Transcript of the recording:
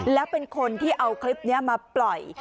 แล้วเป็นคนที่เอาคลิปนี้มาปล่อย